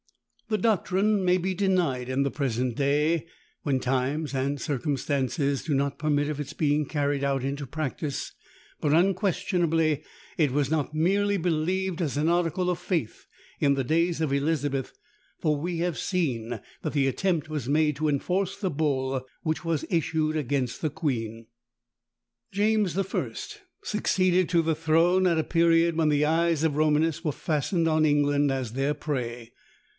The doctrine may be denied in the present day, when times and circumstances do not permit of its being carried into practice; but, unquestionably, it was not merely believed as an article of faith in the days of Elizabeth, for we have seen that the attempt was made to enforce the bull which was issued against the queen. James I. succeeded to the throne at a period when the eyes of Romanists were fastened on England as their prey.